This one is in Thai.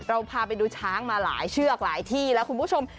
พาไปดูช้างมาหลายเชือกหลายที่แล้วคุณผู้ชม